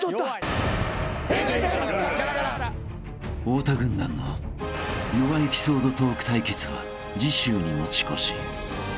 ［太田軍団の弱エピソードトーク対決は次週に持ち越し］